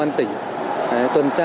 trên địa bàn tỉnh